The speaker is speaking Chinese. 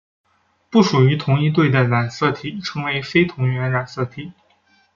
不属于同一对的染色体称为非同源染色体。